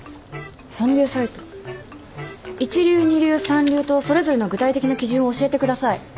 一流二流三流とそれぞれの具体的な基準を教えてください。